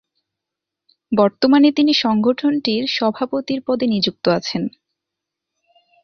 বর্তমানে তিনি সংগঠনটির সভাপতির পদে নিযুক্ত আছেন।